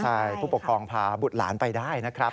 ใช่ผู้ปกครองพาบุตรหลานไปได้นะครับ